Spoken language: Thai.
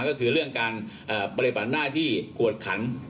ก็คือเรื่องการปฏิบัติหน้าที่กวดขัน